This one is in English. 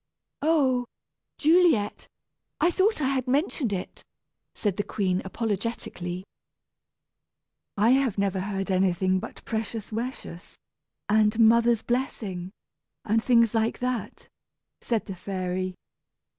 "Oh Juliet; I thought I had mentioned it," said the queen, apologetically. "I have never heard anything but 'pecious wecious,' and 'mother's blessing,' and things like that," said the fairy.